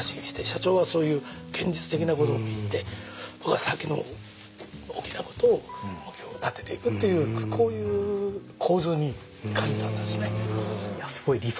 社長はそういう現実的なことを言って僕は先の大きなことを目標を立てていくというこういう構図に感じたんですね。